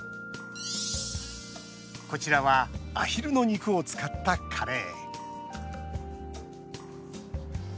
こちらはアヒルの肉を使ったカレー。